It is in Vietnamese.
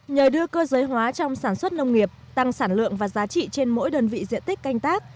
nhờ đưa cơ giới hóa trong sản xuất nông nghiệp tăng sản lượng và giá trị trên mỗi đơn vị diện tích canh tác